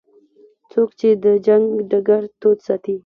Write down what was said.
څوک چې د جنګ ډګر تود ساتي.